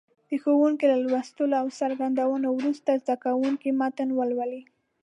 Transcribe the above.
د ښوونکي له لوستلو او څرګندونو وروسته زده کوونکي متن ولولي.